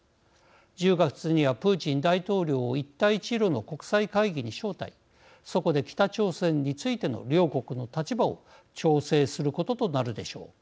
１０月にはプーチン大統領を一帯一路の国際会議に招待そこで北朝鮮についての両国の立場を調整することとなるでしょう。